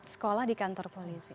sekolah di kantor polisi